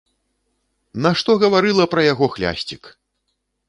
Нашто гаварыла пра яго хлясцік!